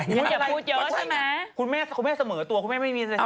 คุณแม่เสมอตัว